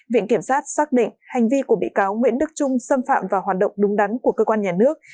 viện kiểm sát xác định hành vi của bị cáo nguyễn đức trung xâm phạm vào hoạt động đúng đắn của cơ quan nhà nước